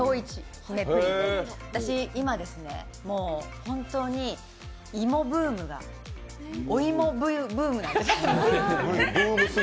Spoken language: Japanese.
私、今、本当に芋ブームがお芋ブームなんですよ。